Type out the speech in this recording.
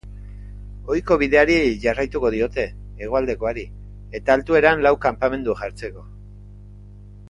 Ohiko bideari jarraituko diote, hegoaldekoari, eta altueran lau kanpamendu jartzeko.